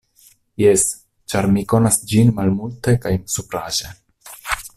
Jes, ĉar mi konas ĝin malmulte kaj supraĵe.